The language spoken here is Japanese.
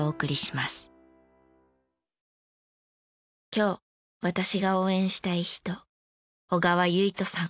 今日私が応援したい人。